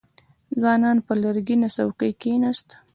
ځوان پر لرګينه څوکۍ کېناست.